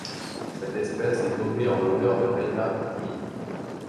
Cette espèce est nommée en l'honneur de Reinhard Houy.